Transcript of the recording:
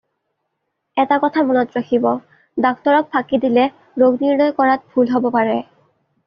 এটা কথা মনত ৰাখিব, ডাক্তৰক ফাকি দিলে ৰোগ-নিৰ্ণয় কৰাত ভুল হ'ব পাৰে।